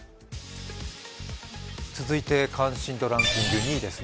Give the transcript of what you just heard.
続いて、関心度ランキング２位です。